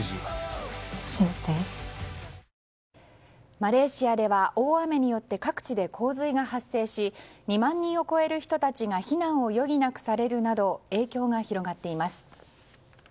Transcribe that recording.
マレーシアでは大雨によって各地で洪水が発生し、２万人を超える人たちが避難を余儀なくされるなど影響が広がっています。